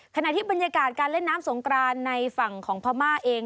ขณะที่บรรยากาศการเล่นน้ำสงกรานในฝั่งของพม่าเอง